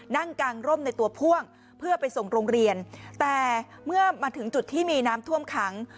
นั่งกางร่มในตัวพ่วงเพื่อไปส่งโรงเรียนแต่เมื่อมาถึงจุดที่มีน้ำท่วมขัง